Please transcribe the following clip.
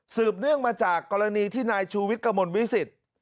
เนื่องมาจากกรณีที่นายชูวิทย์กระมวลวิสิต